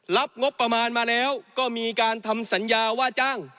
รับงบประมาณมาแล้วก็มีการทำสัญญาว่าจ้าง